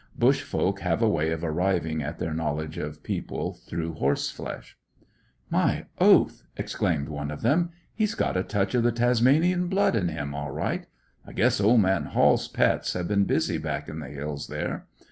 Bush folk have a way of arriving at their knowledge of people through horseflesh. "My oath!" exclaimed one of the men. "He's got a touch of the Tasmanian blood in him, all right. I guess old man Hall's pets have been busy back in the hills there.